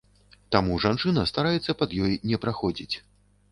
Таму жанчына стараецца пад ёй не праходзіць.